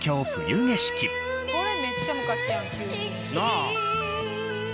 これめっちゃ昔やん。